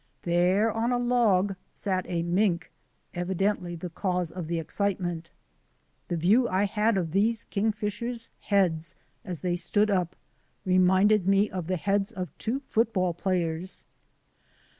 There on a log sat a mink, evidently the cause of the excitement. The view I had of these kingfishers' heads as they stood up reminded me of the heads of two football players.